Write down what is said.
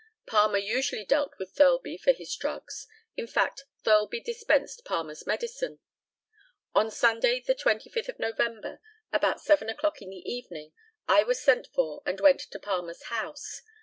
Palmer usually dealt with Thirlby for his drugs in fact, Thirlby dispensed Palmer's medicine. On Sunday, the 25th of November, about seven o'clock in the evening, I was sent for and went to Palmer's house.